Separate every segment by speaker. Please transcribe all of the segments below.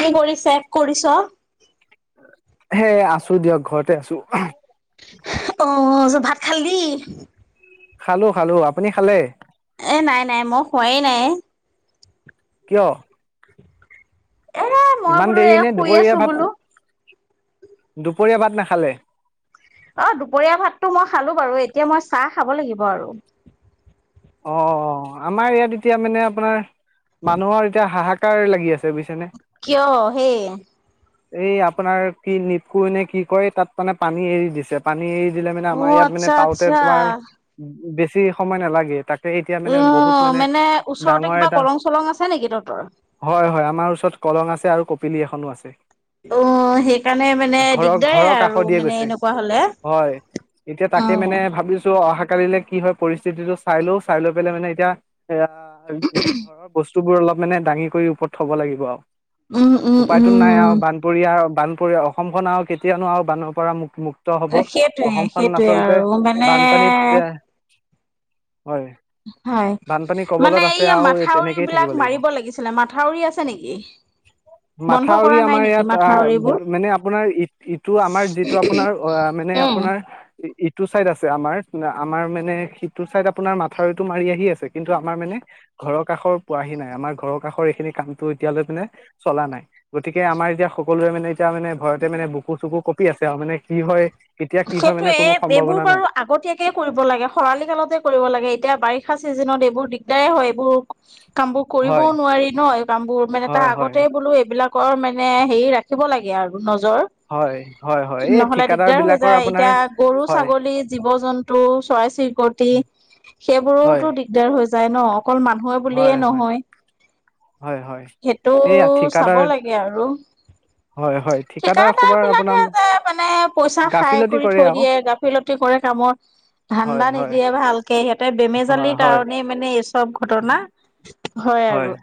Speaker 1: কি কৰি চেক কৰিছ?
Speaker 2: হে আছোঁ দিয়ক ঘৰতে আছো।
Speaker 1: অ' য ভাত খালি?
Speaker 2: খালো খালো। আপুনি খালে?
Speaker 1: এই নাই নাই, মই খোৱাই নাই।
Speaker 2: কিয়?
Speaker 1: এ মই
Speaker 2: ইমান
Speaker 1: বোলো
Speaker 2: দেৰি
Speaker 1: এ
Speaker 2: নে,
Speaker 1: শুই
Speaker 2: দুপৰীয়া
Speaker 1: আছো
Speaker 2: ভাত
Speaker 1: বোলো
Speaker 2: দুপৰীয়া ভাত নাখালে?
Speaker 1: অ' দুপৰীয়া ভাতটো মই খালো বাৰু! এতিয়া মই চাহ খাব লাগিব আৰু।
Speaker 2: অ' অ' আমাৰ ইয়াত এতিয়া মানে আপোনাৰ মানুহৰ এতিয়া হাহাক কাৰ লাগি আছে। বুইছেনে?
Speaker 1: কিয় হে?
Speaker 2: এই আপোনাৰ কি নিপকু নে কি কয় তাত মানে পানী এৰি দিছে। পানী এৰি দিলে মানে
Speaker 1: অ
Speaker 2: আমাৰ ইয়াত মানে
Speaker 1: আচ্ছা
Speaker 2: পাওঁতে
Speaker 1: আচ্ছা
Speaker 2: তোমাৰ বেছি সময় নালাগে। তাকে এতিয়া
Speaker 1: অ
Speaker 2: মানে বহুত মানে
Speaker 1: ওচৰতে
Speaker 2: ডাঙৰ
Speaker 1: কিবা
Speaker 2: এটা
Speaker 1: কলং চলং আছে নেকি তহঁতৰ
Speaker 2: হয় হয়, আমাৰ ওচৰত কলং আছে আৰু কপিলি এখনো আছে।
Speaker 1: অঁ সেইকাৰণে মানে
Speaker 2: ঘৰৰ
Speaker 1: দিগদাৰে
Speaker 2: ঘৰৰ কাষৰ
Speaker 1: আৰু,
Speaker 2: দিয়ে
Speaker 1: মানে
Speaker 2: গৈছে
Speaker 1: এনেকুৱা হলে।
Speaker 2: হয় এতিয়া
Speaker 1: অ
Speaker 2: তাকে মানে ভাবিছো অহা কালিলৈ কি হয় পৰিস্থিতিটো চাই লৈও চাই লৈ পেলাই মানে এ ঘৰৰ বস্তু বস্তুবোৰ অলপ মানে দাঙি কৰি ওপৰত থব লাগিব আৰু।
Speaker 1: উম উম
Speaker 2: উপায়তো নাই
Speaker 1: উম
Speaker 2: আৰু বান বানপৰীয়া বান পৰী অসমখন আৰু কেতিয়ানো আৰু বানৰ পৰা মুক্ত মুক্ত হব
Speaker 1: সেইটোৱে
Speaker 2: অসমখন
Speaker 1: সেইটোৱে
Speaker 2: আচলতে
Speaker 1: আৰু মানে
Speaker 2: বানপানীত যে হয়।
Speaker 1: হয়
Speaker 2: বানপানী
Speaker 1: মানে,
Speaker 2: কবলত আছে
Speaker 1: এইয়া
Speaker 2: আৰু
Speaker 1: মাথাউৰি
Speaker 2: তেনেকেই থাকিব
Speaker 1: বিলাক
Speaker 2: লাগিব
Speaker 1: মাৰিব লাগিছিলে। মাথাউৰি আছে নেকি? বন্ধ
Speaker 2: মাথাউৰি
Speaker 1: কৰা নাই
Speaker 2: আমাৰ
Speaker 1: নেকি
Speaker 2: ইয়াত
Speaker 1: মাথাউৰিবোৰ?
Speaker 2: আ' মানে আপোনাৰ ই ইটো আমাৰ যিটো আপোনাৰ অ' মানে আপোনাৰ ইটো চাইড আছে আমাৰ, আমাৰ মানে সিটো চাইড আ আপোনাৰ মাথাউৰিটো মাৰি আহি আছে। কিন্তু আমাৰ মানে ঘৰৰ কাষৰ পোৱাহি নাই, আমাৰ ঘৰৰ কাষৰ এইখিনি কামটো এতিয়ালৈ মানে চলা নাই। গতিকে আমাৰ এতিয়া সকলোৰে মানে এতিয়া মানে ভয়তে মানে বুকু চুকু কপি আছে। আৰু মানে কি হয় কেতিয়া কি হয়
Speaker 1: সেইটোৱে
Speaker 2: মানে কোনো
Speaker 1: এইবোৰ
Speaker 2: সম্ভাৱনা
Speaker 1: বাৰু
Speaker 2: নাই।
Speaker 1: আগতীয়াকে কৰিব লাগে খৰালি কালতে কৰিব লাগে এতিয়া বাৰিষা চিজনত এইবোৰ দিগদাৰে হয় এইবোৰ। কামবোৰ কৰিবও
Speaker 2: হয়
Speaker 1: নোৱাৰি ন, এই কাম বোৰ মানে তাৰ
Speaker 2: হয় হয়
Speaker 1: আগতে বোলো এইবিলাক কৰ মানে হেৰি ৰাখিব লাগে আৰু নজৰ।
Speaker 2: হয় হয় হয়, এই
Speaker 1: নহ'লে
Speaker 2: ঠিকাদাৰ
Speaker 1: দিগদাৰ হৈ
Speaker 2: বিলাক
Speaker 1: এতিয়া গৰু-ছাগলী জীৱ জন্তু চৰাই চিৰিকটি
Speaker 2: হয়
Speaker 1: সেইবোৰোটো দিগদাৰ হৈ যায় ন। অকল মানুহে বুলিয়ে
Speaker 2: হয় হয়
Speaker 1: নহয়,
Speaker 2: হয় হয়
Speaker 1: সেইটো
Speaker 2: এইয়া
Speaker 1: চাব
Speaker 2: ঠিকাদাৰ
Speaker 1: লাগে। তাকে আৰু
Speaker 2: হয় হয়
Speaker 1: ঠিকাদাৰ
Speaker 2: সোবাৰ আপোনাৰ
Speaker 1: বিলাকে যে মানে পইচা খাই
Speaker 2: গাফিলতি
Speaker 1: কৰি
Speaker 2: কৰে
Speaker 1: থৈ
Speaker 2: আৰু
Speaker 1: দিয়ে, গাফিলতি কৰে কামৰ।
Speaker 2: হয়
Speaker 1: ধান্দা
Speaker 2: হয়
Speaker 1: নিদিয়ে, ভালকে সিহঁতে
Speaker 2: হয়
Speaker 1: বেমেজালিৰ
Speaker 2: হয়
Speaker 1: কাৰণে মানে এই চব ঘটনা। হয় আৰু।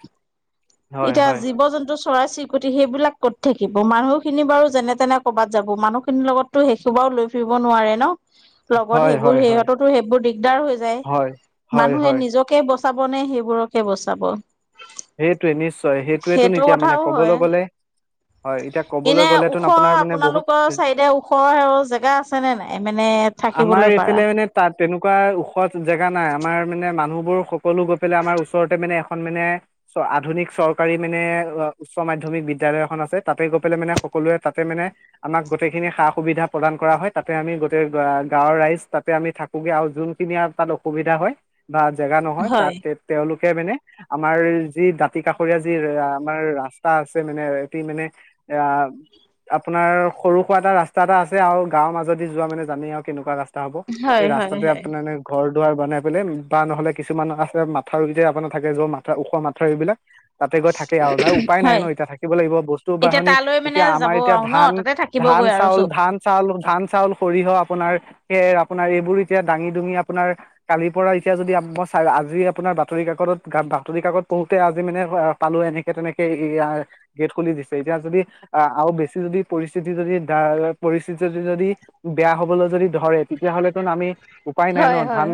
Speaker 2: হয় হয়।
Speaker 1: জীৱ-জন্তু, চৰাই-চিৰিকটি সেইবিলাক ক'ত থাকিব মানুহখিনি বাৰু যেনে তেনে ক'ৰবাত যাব। মানুহখিনিৰ লগত তো সেইসোবাও লৈ ফুৰিব নোৱাৰে ন। লগত
Speaker 2: হয়
Speaker 1: সেইবোৰ
Speaker 2: হয় হয়
Speaker 1: সিহঁততো সেইবোৰ দিগদাৰ হৈ যায়,
Speaker 2: হয় হয়
Speaker 1: মানুহে
Speaker 2: হয়
Speaker 1: নিজক কে বচাব নে সেইবোৰকে বচাব।
Speaker 2: সেইটোৱে নিশ্চয় সেইটোৱে তোন
Speaker 1: সেইটো
Speaker 2: এতিয়া
Speaker 1: কথাও
Speaker 2: মানে
Speaker 1: হয়
Speaker 2: কবলৈ গ'লে হয় এতিয়া ক'বলৈ
Speaker 1: এনে
Speaker 2: গ'লেতোন
Speaker 1: ওখ
Speaker 2: আপোনাৰ মানে বহুত
Speaker 1: আপোনালোকৰ চাইদে ওখ ওখ স জেগা আছে নে নাই মানে
Speaker 2: আমাৰ
Speaker 1: থাকিবলৈ
Speaker 2: এইফালে
Speaker 1: পাৰা?
Speaker 2: মানে তাত তেনেকুৱা ওখ জেগা নাই, আমাৰ মানে মানুহবোৰ সকলো গৈ পেলাই আমাৰ ওচৰতে মানে এখন মানে চ আধুনিক চৰকাৰী মানে উচ্চ মাধ্যমিক বিদ্যালয় এখন আছে তাতে গৈ পেলাই মানে সকলোৱে তাতে মানে আমাক গোটেইখিনি সা অসুবিধা প্ৰদান কৰা হয়, তাতে আমি গোটেই গাঁৱৰ ৰাইজ তাতে আমি থাকোগে আৰু যোনখিনি আৰু তাত অসুবিধা হয় বা জেগা নহয়
Speaker 1: হয়,
Speaker 2: তাত তেওঁলোকে মানে আমাৰ যি দাঁতিকাষৰীয়া যি আমাৰ ৰাস্তা আছে মানে তি মানে এয়া আপোনাৰ সৰু সুৰা এটা ৰাস্তা এটা আছে আও গাঁওৰ মাজদি যোৱা মানে জানেই আও কেনেকুৱা ৰাস্ তা হ'ব
Speaker 1: হয়,
Speaker 2: এই
Speaker 1: হয়,
Speaker 2: ৰাস্তাতে
Speaker 1: হয়।
Speaker 2: আপোনাৰ এনে ঘৰ দুৱাৰ বনাই পেলাই বা নহলে কিছুমান আছে মাথাউৰিতে আপোনাৰ থাকে য মাথা ওখ মাথা থাউৰি বিলাক তাতে গৈ থাকে আৰু ন উপায় নাই
Speaker 1: হয়,
Speaker 2: ন এতিয়া থাকিব লাগিব, বস্তু
Speaker 1: এতিয়া
Speaker 2: বাহনি
Speaker 1: তালৈ মানে
Speaker 2: এতিয়া আমাৰ
Speaker 1: যাব
Speaker 2: এতিয়া
Speaker 1: আৰু ন
Speaker 2: ধান
Speaker 1: তাতে
Speaker 2: ধান
Speaker 1: থাকিবগৈ আৰু
Speaker 2: চাউল
Speaker 1: চব।
Speaker 2: ধান চাউল, ধান, চাউল, সৰিয়হ আপোনাৰ হে আপোনাৰ এইবোৰ এতিয়া দাঙি দুুঙি আপোনাৰ কালিৰ পৰা এতিয়া যদি মই চ আজি আপোনাৰ বাতৰি কাকত বাতৰি কাকত পঢ়ুতে আজি মানে পালো এনেকে তেনেকে এইয়াৰ গেট খুলি দিছে, এতিয়া যদি আহ আৰু বেছি যদি পৰিস্থিতি যদি দা পৰিস্থিতি যদি যদি বেয়া হ'বলৈ যদি ধৰে তেতিয়া হলেটোন আমি উপায় নাই ন,
Speaker 1: হয়, হয়,
Speaker 2: ধান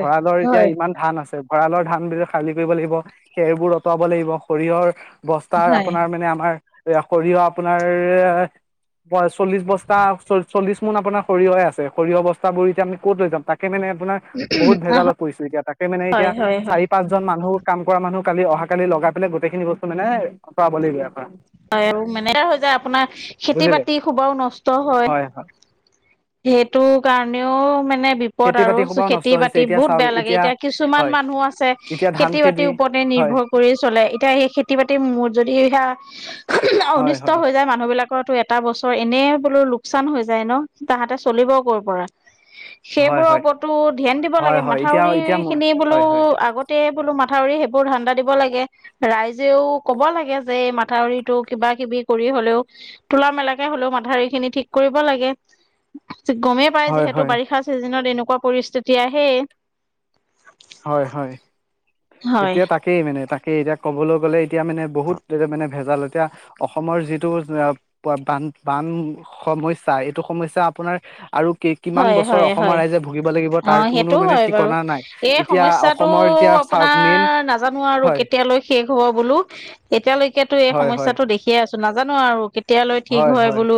Speaker 2: ভঁৰালৰ এতিয়া
Speaker 1: হয়,
Speaker 2: ইমান ধান আছে ভঁৰালৰ ধান বিলাক খালী কৰিব লাগিব। খেৰবোৰ অতৰাবো লাগিব, সৰিয়হৰ বস্তাৰ
Speaker 1: হয়,
Speaker 2: আপোনাৰ মানে আমাৰ এইয়া সৰিয়হ আপোনাৰ চল্লিশ বস্তা চল্লিছ মোন আপোনাৰ সৰিয়হহে আছে সৰিয়হ বস্তাবোৰ এতিয়া আমি ক'ত লৈ যাম, তাকে মানে আপোনাৰ বহুত ভেজালত পৰিছো এতিয়া তাকে মানে
Speaker 1: হয়,
Speaker 2: এতিয়া
Speaker 1: হয়, হয়।
Speaker 2: চাৰি পাঁচজন মানুহ কাম কৰা মানুহক কালি অহাকালি লগাই পেলাই গোটেইখিনি বস্তু মানে আঁতৰাব লাগিব ইয়াৰ পৰা,
Speaker 1: হয় মানে হৈ যায় আপোনাৰ খেতি
Speaker 2: বুজিলে
Speaker 1: বাতি সোবাও নষ্ট হয়। সেইটো কাৰণেও মানে বি ওপৰত
Speaker 2: খেতি
Speaker 1: আৰু
Speaker 2: বাতি সোপাও নষ্ট
Speaker 1: খেতি
Speaker 2: হৈছে
Speaker 1: বাতি
Speaker 2: এতিয়া
Speaker 1: বহুত
Speaker 2: চাওক
Speaker 1: বেয়া লাগে, এতিয়া কিছুমান
Speaker 2: হয়
Speaker 1: মানুহ আছে
Speaker 2: এতিয়া ধান
Speaker 1: খেতি বাতিৰ ওপৰতে
Speaker 2: হয়
Speaker 1: নিৰ্ভৰ কৰি চলে, এতিয়া সেই খেতি বাতিৰ মোৰ যদি সেয়া
Speaker 2: হয়
Speaker 1: অনিষ্ট
Speaker 2: হয়
Speaker 1: হৈ যায় মানুহ বিলাক কৰ টো এটা বছৰ এনেই বোলো লোকচান হৈ যায় ন, তাহাঁতে চলিব ক'ৰ পৰা।
Speaker 2: হয়
Speaker 1: সেইবোৰৰ
Speaker 2: হয়
Speaker 1: ওপৰতো ধ্যান দিব
Speaker 2: হয়
Speaker 1: লাগে,
Speaker 2: হয় এতিয়া
Speaker 1: মথাউৰি
Speaker 2: এতিয়া ম-
Speaker 1: খিনি বোলো
Speaker 2: হয় হয়
Speaker 1: আগত তে বোলো মাথাউৰি সেইবোৰ ধান্দা দিব লাগে। ৰাইজেও কব লাগে যে এই মাথাউৰিটো কিবা কিবি কৰি হ'লেও তোলা মেলাকে হলেও মাথাউৰি খিনি ঠিক কৰিব লাগে। গমেই পাই
Speaker 2: হয়
Speaker 1: যিহেতু
Speaker 2: হয়
Speaker 1: বাৰিষা চিজনত এনেকুৱা পৰিস্থিতি আহেই।
Speaker 2: হয় হয়,
Speaker 1: হয়
Speaker 2: এতিয়া তাকেই মানে তাকেই এতিয়া ক'বলৈ গ'লে এতিয়া মানে বহুত এতিয়া মানে ভেজাল এতিয়া অসমৰ যিটো বান বান সমস্যা এইটো সমস্যা আপোনাৰ আৰু কি কিমান
Speaker 1: হয়
Speaker 2: বছৰ
Speaker 1: হয়
Speaker 2: অসমৰ
Speaker 1: হয়
Speaker 2: ৰাইজে ভুগিব লাগিব
Speaker 1: অ
Speaker 2: তাৰ কোনো
Speaker 1: সেইটো
Speaker 2: মানে
Speaker 1: হয় বাৰু
Speaker 2: ঠিকনা নাই।
Speaker 1: এই
Speaker 2: এতিয়া
Speaker 1: সমস্যাটো
Speaker 2: অসমৰ এতিয়া চাওক মেইন
Speaker 1: আপোনাৰ নাজানো আৰু
Speaker 2: হয়
Speaker 1: কেতিয়ালৈ শেষ হ'ব বোলো। এতিয়ালৈকেটো এই
Speaker 2: হয় হয়
Speaker 1: সমস্যাটো দেখিয়ে আছো নাজানো কেতিয়ালৈ ঠিক হয় বোলো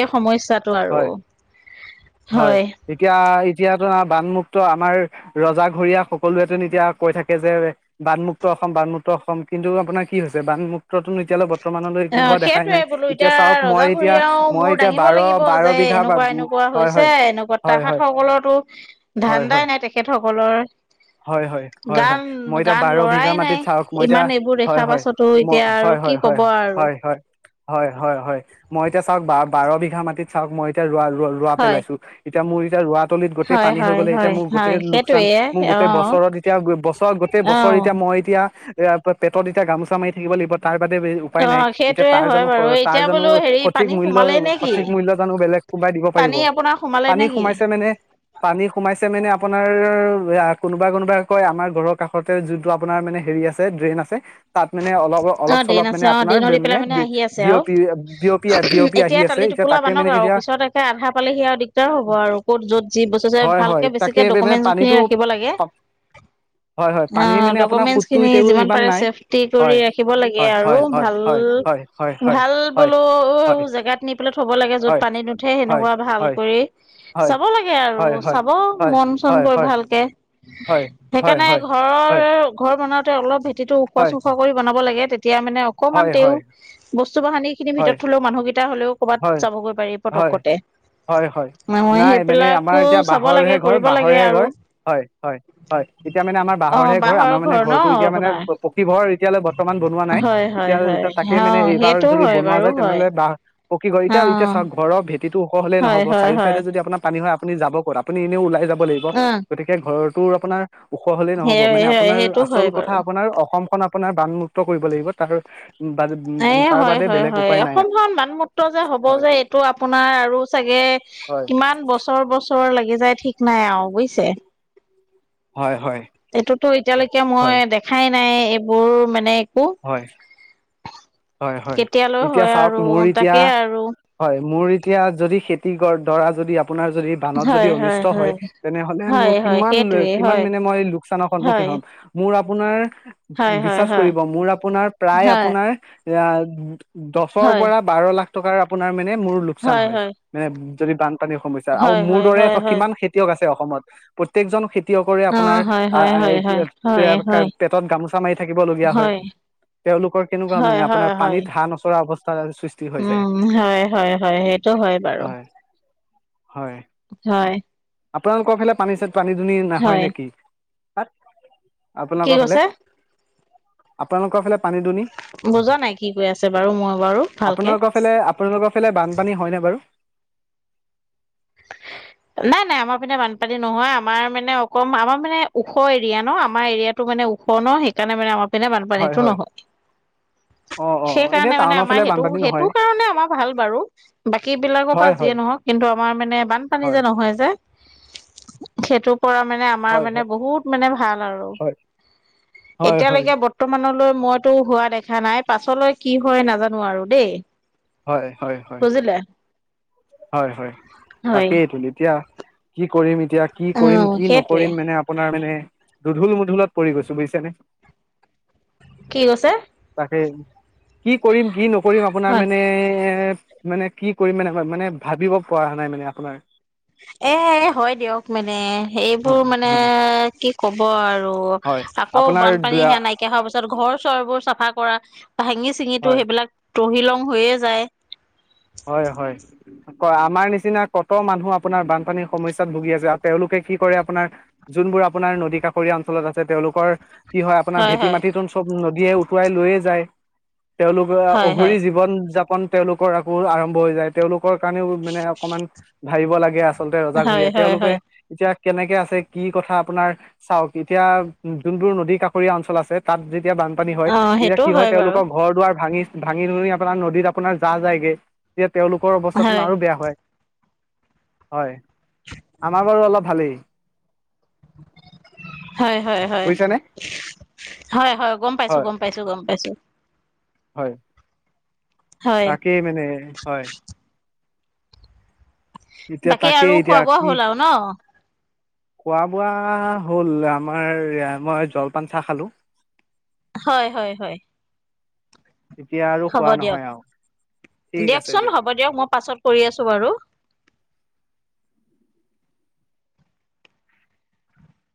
Speaker 1: এই সমস্যাটো আৰু।
Speaker 2: হয় হয় এতিয়া এতিয়াতো বানমুক্ত আমাৰ ৰজাঘৰীয়া সকলোৱেত এতিয়া কৈ থাকে যে বানমুক্ত অসম বানমুক্ত অসম কিন্তু আপোনাৰ কি হৈছে বানমুক্তটো এতিয়ালৈ বত ৰ্তমানলৈ
Speaker 1: অ
Speaker 2: একো হোৱা দেখাই
Speaker 1: সেইটোৱে
Speaker 2: নাই
Speaker 1: বোলো
Speaker 2: এতিয়া চাওক মই
Speaker 1: ৰজা
Speaker 2: এতিয়া
Speaker 1: ঘৰীয়াও
Speaker 2: মই
Speaker 1: মূৰ
Speaker 2: এতিয়া
Speaker 1: দাঙিব লাগিব
Speaker 2: বাৰব
Speaker 1: যে এনেকুৱা এনেকুৱা হৈছে এনেকুৱা
Speaker 2: হয়
Speaker 1: তাহাত
Speaker 2: হয়
Speaker 1: সকলতো
Speaker 2: হয় হয়
Speaker 1: ধান্দাই নাই। তেখেতসকলৰ
Speaker 2: হয় হয় হয় হয়
Speaker 1: গান
Speaker 2: মই এতিয়া
Speaker 1: গান
Speaker 2: বাৰ
Speaker 1: লৰাই
Speaker 2: বিঘা মাটিত
Speaker 1: নাই
Speaker 2: চাওক মই এতিয়া,
Speaker 1: ইমান এইবোৰ
Speaker 2: হয়
Speaker 1: দেখাৰ
Speaker 2: হয়।
Speaker 1: পাছতো
Speaker 2: ম,
Speaker 1: এতিয়া আৰু
Speaker 2: হয়
Speaker 1: কি
Speaker 2: হয় হয়
Speaker 1: কব আৰু
Speaker 2: হয় হয়। হয় হয় হয় মই এতিয়া চাওক বা বাৰ বিঘা মাটিত চাওক মই এতিয়া ৰোৱা ৰো ৰোৱা
Speaker 1: হয়
Speaker 2: পেলাইছো। এতিয়া মোৰ এতিয়া ৰোৱাতলিত গোটেই
Speaker 1: হয়
Speaker 2: পানী হৈ
Speaker 1: হয়
Speaker 2: গ'লে এতিয়া
Speaker 1: হয়
Speaker 2: মোৰ
Speaker 1: হয়
Speaker 2: গোটেই লোকচান
Speaker 1: সেইটোয়ে
Speaker 2: মো
Speaker 1: অ
Speaker 2: গোটেই বছৰত এতিয়া বছৰত গোটেই
Speaker 1: অ
Speaker 2: বছৰত এতিয়া মই এতিয়া এইয়া পেটত এতিয়া গামোচা মাৰি থাকিব লাগিব তাৰ বাদে এ উ
Speaker 1: অ
Speaker 2: পায় নাই। এতিয়া
Speaker 1: সেইটোয়ে
Speaker 2: তাৰ
Speaker 1: হয়
Speaker 2: জানো
Speaker 1: বাৰু
Speaker 2: তাৰ
Speaker 1: এতিয়া
Speaker 2: জানো
Speaker 1: বোলো হেৰি
Speaker 2: সঠিক
Speaker 1: পানী
Speaker 2: মূল্য
Speaker 1: সোমালেই নে কি
Speaker 2: সঠিক মূল্যৰ জানো বেলেগ কোবাই দিব পাৰিব?
Speaker 1: পানী আপোনাৰ সোমালে
Speaker 2: পানী
Speaker 1: নে কি
Speaker 2: সোমাইছে মানে পানী সোমাইছে মানে আপোনাৰ এইয়া কোনোবাই কোনোবাই কয় আমাৰ ঘৰৰ কাষতে যোনটো আপোনাৰ মানে হেৰি আছে ড্ৰেইন আছে। তাত মানে অলপ অ অলপ
Speaker 1: ড্ৰেইন
Speaker 2: চলপ মানে
Speaker 1: আছে অ
Speaker 2: আপোনাৰ
Speaker 1: ড্ৰেইনত দি
Speaker 2: মানে
Speaker 1: পেলাই
Speaker 2: বিয়
Speaker 1: আহি আছে আৰু
Speaker 2: বিয়পি বিয়পি বিয়পি আহি
Speaker 1: এতিয়া
Speaker 2: আছে।
Speaker 1: টালি
Speaker 2: এতিয়া
Speaker 1: টোপোলা
Speaker 2: তাকে
Speaker 1: বান্ধক
Speaker 2: মানে
Speaker 1: আৰু
Speaker 2: এতিয়া
Speaker 1: পিছত একে আধা পালে সি আৰু দিগদাৰ হ'ব আৰু ক'ত য'ত যি বস্ত আছে
Speaker 2: হয় হয়
Speaker 1: ভালকে বেছি
Speaker 2: তাকে
Speaker 1: তিয়া
Speaker 2: মানে
Speaker 1: ডুমেণ্টছখিনি
Speaker 2: পানীটো
Speaker 1: ৰাখিব লাগে।
Speaker 2: হয় হয়
Speaker 1: অ
Speaker 2: পানী মানে আপোনাৰ সুতটো
Speaker 1: ডকুমেন্টছখিনি
Speaker 2: তেওঁ
Speaker 1: যিমান
Speaker 2: ইমান
Speaker 1: পাৰে
Speaker 2: নাই
Speaker 1: চেফ তি কৰি
Speaker 2: হয়
Speaker 1: ৰাখিব লাগে
Speaker 2: হয়
Speaker 1: আৰু
Speaker 2: হয় হয়
Speaker 1: ভাল
Speaker 2: হয় হয় হয় হয়
Speaker 1: ভাল
Speaker 2: হয়
Speaker 1: বোলো
Speaker 2: হয়
Speaker 1: জেগাত নি পেলাই থব লাগে য'ত
Speaker 2: হয়
Speaker 1: পানী নুঠে
Speaker 2: হয় হয়
Speaker 1: সেনেকুৱা ভাল
Speaker 2: হয়
Speaker 1: কৰি
Speaker 2: হয়
Speaker 1: চাব লাগে আৰু
Speaker 2: হয় হয়
Speaker 1: চাব
Speaker 2: হয়
Speaker 1: মন চন
Speaker 2: হয়
Speaker 1: গৈ
Speaker 2: হয়
Speaker 1: ভালকে।
Speaker 2: হয় হয়
Speaker 1: সেইকাৰণে
Speaker 2: হয়
Speaker 1: ঘৰৰ ঘৰ বনাওঁতে অলপ ভেটিটো ওখ
Speaker 2: হয়
Speaker 1: চোখ বনাব লাগে তেতিয়া মানে অকমান
Speaker 2: হয়
Speaker 1: তেওঁ
Speaker 2: হয়
Speaker 1: বস্তু বাহানিখিনি
Speaker 2: হয়
Speaker 1: ভিতৰত থলেও মানুহকেইটা হ'লেও ক'ৰবাত
Speaker 2: হয়
Speaker 1: যাবগৈ পাৰি
Speaker 2: হয়
Speaker 1: পতকতে।
Speaker 2: হয় হয়। নাই মানে আমাৰ এতিয়া
Speaker 1: চাব লাগে
Speaker 2: বাঁহৰেহে ঘৰ
Speaker 1: কৰিব লাগে
Speaker 2: বাঁহৰেহে
Speaker 1: আৰু
Speaker 2: ঘৰ, হয় হয় হয়। তেতিয়া মানে আমাৰ
Speaker 1: অ
Speaker 2: বাঁহৰহে ঘৰ
Speaker 1: বাঁহৰ
Speaker 2: আমাৰ মানে
Speaker 1: ন
Speaker 2: ঘৰটো এতিয়া মানে
Speaker 1: আপোনাৰ
Speaker 2: পকী ঘৰ এতিয়ালে বৰ্তমান বনোৱা নাই
Speaker 1: হয় হয় হয়
Speaker 2: এতিয়াতিয়া তাকে
Speaker 1: অ
Speaker 2: মানে এইবাৰ
Speaker 1: সেইটো
Speaker 2: যদি
Speaker 1: হয়
Speaker 2: বনোৱা
Speaker 1: বাৰু
Speaker 2: যায়
Speaker 1: হয়
Speaker 2: তেনেহ'লে বাহ পকী ঘৰ
Speaker 1: অ
Speaker 2: এতিয়া এতিয়া চাওক ঘৰ ভটি ওখ হ'লে
Speaker 1: হয়
Speaker 2: নহব
Speaker 1: হয়
Speaker 2: চাৰিও
Speaker 1: হয়
Speaker 2: চাইডে আপোনা পানী হয় আপুনি যাব ক'ত আপুনি এনেও ওলাই যাব লাগিব
Speaker 1: অ
Speaker 2: গতিকে ঘৰটো আপোনাৰ ওখ হ'লেই
Speaker 1: সেই
Speaker 2: নহ'ব আপোনাৰ
Speaker 1: সেইটো হয়
Speaker 2: আচল
Speaker 1: বাৰু
Speaker 2: কথা অসমখন আপোনাৰ বানমুক্ত কৰিব লাগিব তাৰ
Speaker 1: এ
Speaker 2: তাৰ বাদে বেলেগ উপায় নাই আ।
Speaker 1: ক্ত যে হ'ব যে এইটো আপোনাৰ আৰু চাগে
Speaker 2: হয়
Speaker 1: কিমা বছৰ বছৰ লাগি যায় ঠিক নাই আও বুজিছে।
Speaker 2: হয় হয়।
Speaker 1: এইটোতো এতিয়ালৈকে
Speaker 2: হয়
Speaker 1: মই দেখাই নাই এইবোৰ মানে কো
Speaker 2: হয় হয় হয়
Speaker 1: কেতিয়ালৈ
Speaker 2: এতিয়া
Speaker 1: হয়
Speaker 2: চাওক
Speaker 1: আৰু
Speaker 2: মোৰ এতিয়া
Speaker 1: তাকে আৰু।
Speaker 2: হয় মোৰ এতিয়া যদি খেতি দৰা যদি আপোনাৰ যদি বানত যদি অনিষ্ট হয় তেনেহ'লে
Speaker 1: হয়
Speaker 2: মোৰ
Speaker 1: হয়
Speaker 2: কিমান
Speaker 1: সেইটোৱে
Speaker 2: কিমান
Speaker 1: হয়
Speaker 2: মানে মই লোকচানৰ সন্মুখীন
Speaker 1: হয়
Speaker 2: হ'ম। মোৰ আপোনাৰ
Speaker 1: হয় হয়
Speaker 2: বিশ্বাস
Speaker 1: হয়
Speaker 2: কৰিব মোৰ আপোনাৰ প্ৰায়
Speaker 1: হয়
Speaker 2: আপোনাৰ এয়াত দছৰ
Speaker 1: হয়
Speaker 2: পৰা বাৰ লাখ টকাৰ আপোনাৰ মানে মোৰ লোকচান হয় মানে যদি বানপানীৰ সমস্যা স্যা আৰু
Speaker 1: হয়
Speaker 2: মোৰ
Speaker 1: হয়
Speaker 2: দৰে
Speaker 1: হয় হয়
Speaker 2: কিমান খেতিয়ক আছে অসমত প্ৰত্যয়েকজন খেতিয়কৰে
Speaker 1: অ
Speaker 2: আপোনাৰ
Speaker 1: হয় হয় হয় হয়
Speaker 2: [unintelligible]
Speaker 1: হয় হয়
Speaker 2: পেটত গামোচা মাৰি থাকিবলগীয়া হয়। তেওঁলোকৰ কেনেকুৱা
Speaker 1: হয়
Speaker 2: মানে,
Speaker 1: হয়
Speaker 2: আপোনাৰ
Speaker 1: হয়
Speaker 2: পানীত হাঁহ নচৰা অৱস্থা সৃষ্টি হৈ যায়
Speaker 1: উম, হয়, হয়, হয়, সেইটো হয় বাৰু।
Speaker 2: হয়।
Speaker 1: হয়।
Speaker 2: আপোনালোকৰ ফালে পানী চ, পানী দুনি নহয়
Speaker 1: হয়।
Speaker 2: নেকি, তাত?
Speaker 1: কি
Speaker 2: আপোনাৰ ফালে?
Speaker 1: কৈছে?
Speaker 2: আপোনালোকৰ ফালে পানী-দুনি
Speaker 1: বুজা নাই কি কৈ আছে বাৰু মই বাৰু ভালকে।
Speaker 2: আপোনালোকৰ ফালে, আপোনালোকৰ ফালে বানপানী হয়নে বাৰু?
Speaker 1: নাই, নাই আমাৰ পিনে, বানপানী নহয়, আমাৰ মানে অকম আমাৰ মানে ওখ এৰিয়া ন, আমাৰ এৰিয়াত টো, মানে ওখ ন, সেইকাৰণে মানে আমাৰ পিনে
Speaker 2: হয়
Speaker 1: বানপানীতটো
Speaker 2: হয়
Speaker 1: নহয়।
Speaker 2: অ অ এতিয়া
Speaker 1: সেইকাৰণে মানে
Speaker 2: টাউনৰ
Speaker 1: আমাৰ
Speaker 2: ফালে
Speaker 1: সেইটো,
Speaker 2: বানপানী
Speaker 1: সেইটো
Speaker 2: নহয়
Speaker 1: কাৰণে আমাৰ ভাল বাৰু। বাকী বিলাকৰ পৰা
Speaker 2: হয়
Speaker 1: যিয়ে
Speaker 2: হয়
Speaker 1: নহওঁক, কিন্তু আমাৰ মানে বান
Speaker 2: হয়
Speaker 1: যে নহয় যে, সেইটোৰ পৰা মানে মাৰ
Speaker 2: হয়
Speaker 1: মানে
Speaker 2: হয়
Speaker 1: বহুত মানে ভাল আৰু,
Speaker 2: হয় হয় হয়
Speaker 1: এতিয়ালৈকে বৰ্ত বৰ্তমানলৈ মইতো হোৱা দেখা নাই, পাছলৈ কি হয় নাজানো আৰু দেই।
Speaker 2: হয়, হয়, হয়।
Speaker 1: বুজিলে।
Speaker 2: হয়, হয়
Speaker 1: হয়
Speaker 2: তাকেই তোন, এতিয়া কি কৰিম এতিয়া, কি কৰিম
Speaker 1: অহ
Speaker 2: কি
Speaker 1: সেইটোৱে
Speaker 2: নকৰিম মানে, আপোনাৰ মানে দুধুল-মধুলত পৰি গৈছো বুজিছে নে?
Speaker 1: কি কৈছে?
Speaker 2: তাকে, কি কৰিম, কি নকৰিম আপোনাৰ
Speaker 1: হয়
Speaker 2: মানে এ মানে কি কৰিম মানে, মানে ভাবিব পৰা নাই মানে, আপোনাৰ।
Speaker 1: এই, হয় দিয়ক মানে, এইবোৰ
Speaker 2: হয়
Speaker 1: মানে
Speaker 2: হয়
Speaker 1: কি ক'ব আৰু।
Speaker 2: হয়
Speaker 1: আকৌ
Speaker 2: আপোনাৰ
Speaker 1: বানপানী সেয়া নাইকিয়া হোৱাৰ পিছত, ঘৰ চৰবোৰ চাফা কৰা বা ভাঙি-চিঙিটো
Speaker 2: হয়
Speaker 1: সেইবিলাক তহিলং হৈয়ে যায়।
Speaker 2: হয়, হয়। আমাৰ নিচিনা ক'ত মানুহ আপোনাৰ বানপানী সমস্যাত ভুগি আছে, আৰু তেওঁলোকে কি কৰে আপোনাৰ যোনবোৰ আপোনাৰ নদী কাষৰীয়া অঞ্চলত আছে তেওঁলোকৰ কি হয় আপোনাৰ, ভেটি মাটি তোন চব নদীয়ে উটুৱাই লৈয়ে যায়। তেওঁলোকৰ
Speaker 1: হয় হয়
Speaker 2: অঘৰী জীৱন-যাপন তেওঁলোকৰ আকৌ আৰম্ভ হৈ যায়। তেওঁলোকৰ কাৰণেও মানে অকমান ভাবিব লাগে আচলতে, ৰজা
Speaker 1: হয়
Speaker 2: ঘৰিয়াই।
Speaker 1: হয়
Speaker 2: তেওঁলোকে
Speaker 1: হয়
Speaker 2: এতিয়া কেনেকে আছে, কি কথা আপোনাৰ চাওঁক, এতিয়া যোনবোৰ নদী কাষৰীয়া অঞ্চল আছে, তাত যেতিয়া পানী হয়,
Speaker 1: অ
Speaker 2: তেতিয়া
Speaker 1: সেইটোও
Speaker 2: কি হয়,
Speaker 1: বাৰু
Speaker 2: তেওঁলোকৰ ঘৰ দুৱাৰ ভাঙি ভাঙি-চাঙি আপোনাৰ নদীত আপোনাৰ যাহ যায়গে। তেতিয়া তেওঁলোকৰ অৱস্থাটো
Speaker 1: হয়
Speaker 2: আৰু বেয়া হয়। হয়, আমাৰ বাৰু অলপ ভালেই।
Speaker 1: হয়, হয়, হয়
Speaker 2: বুজিছানে
Speaker 1: হয়, হয়, গ'ম পাইছো,
Speaker 2: হয়
Speaker 1: গ'ম পাইছো, গম পাইছো।
Speaker 2: হয়।
Speaker 1: হয়
Speaker 2: তাকে মানে, হয়। এতিয়া
Speaker 1: বাকী
Speaker 2: তাকে,
Speaker 1: আৰু খোৱা
Speaker 2: এতিয়া
Speaker 1: বোৱা
Speaker 2: কি
Speaker 1: হ'ল আৰু ন
Speaker 2: খোৱা বোৱা হ'ল, আমাৰ মই জলপান চাহ খালো।
Speaker 1: হয়, হয়, হয়।
Speaker 2: তেতিয়া আৰু
Speaker 1: হ'ব
Speaker 2: খোৱা
Speaker 1: দিয়ক,
Speaker 2: নহয় আৰু ঠিক আছে
Speaker 1: দিয়কচোন হ'ব দিয়ক, মই পাছত কৰি আছো বাৰু।